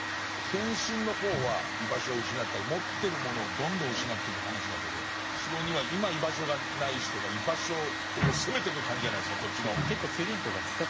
「変身」の方は居場所を失ったり持ってるものをどんどん失っていく話だけど「城」には今居場所がない人が居場所を攻めていく感じじゃないですか。